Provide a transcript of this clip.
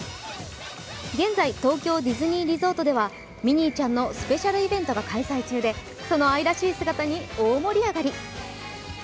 現在、東京ディズニーリゾートではミニーちゃんのスペシャルイベントが開催中でその愛らしい姿に大盛り上がり。